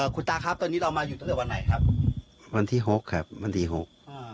คุณตาครับตอนนี้เรามาอยู่ตั้งแต่วันไหนครับวันที่หกครับวันที่หกอ่า